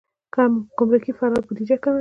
ګمرکي فرار بودیجه کموي.